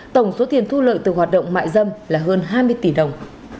tổng số tiền thu lợi từ hoạt động mại dâm là hơn hai mươi tỷ đồng